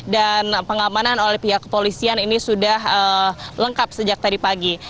dan pengamanan oleh pihak kepolisian ini sudah lengkap sejak tadi pagi